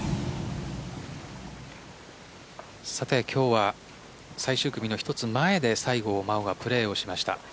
今日は最終組の一つ前で西郷真央がプレーをしました。